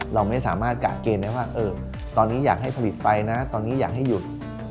เราไม่สามารถกะเกณฑ์ได้ว่าตอนนี้อยากให้ผลิตไปนะตอนนี้อยากให้หยุด